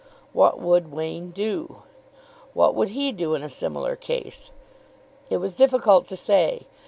What would Wain do? What would he do in a similar case? It was difficult to say.